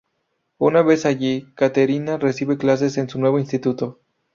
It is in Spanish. Una vez allí, Caterina recibe clases en su nuevo instituto.